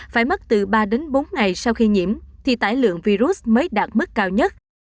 phải mất từ ba đến bốn ngày sau khi nhiễm thì tải lượng virus mới đạt mức cao nhất